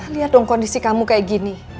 lihat dong kondisi kamu kayak gini